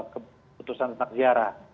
keputusan tetap ziarah